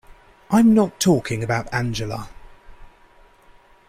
I'm not talking about Angela.